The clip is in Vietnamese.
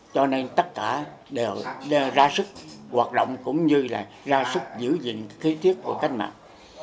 cho nên tất cả đều ra sức hoạt động cũng như là ra sức giữ gìn kế tiết của cách mạng